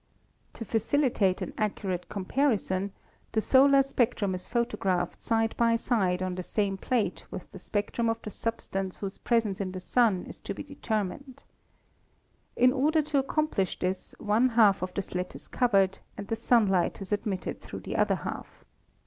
"To facilitate an accurate comparison, the solar spec trum is photographed side by side on the same plate with the spectrum of the substance whose presence in the Sun is to be determined. In order to accomplish this, one half of the slit is covered, and the sunlight is admitted through the other half.